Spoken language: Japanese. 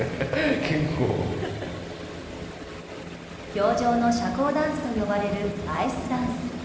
氷上の社交ダンスと呼ばれるアイスダンス。